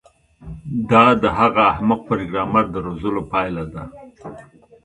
دا د هغه احمق پروګرامر د روزلو پایله ده